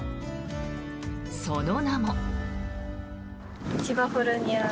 その名も。